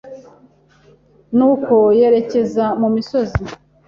nuko yerekeza mumisozi.